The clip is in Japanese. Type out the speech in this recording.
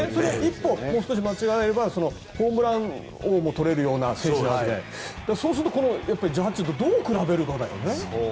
１本、少し間違えればホームラン王も取れるような選手なわけでそうするとジャッジとどう比べるかだよね。